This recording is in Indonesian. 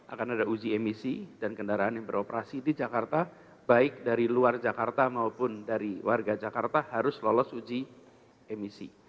akan ada uji emisi dan kendaraan yang beroperasi di jakarta baik dari luar jakarta maupun dari warga jakarta harus lolos uji emisi